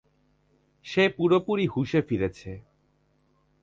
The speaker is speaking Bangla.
সে পুরোপুরি হুঁশে ফিরেছে!